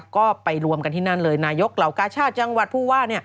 ก็ไปรวมกันที่นั่นเลยนายกเหล่ากาชาติจังหวัดผู้ว่า